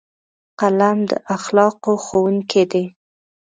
قلم د اخلاقو ښوونکی دی